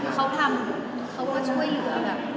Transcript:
เขาทำเขาก็ช่วยเหลือแบบ